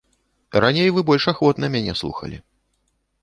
Раней вы больш ахвотна мяне слухалі.